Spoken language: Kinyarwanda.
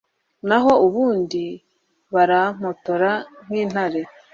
naho ubundi, barampotora nk'intare